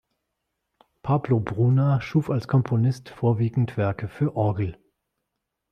Pablo Bruna schuf als Komponist vorwiegend Werke für Orgel.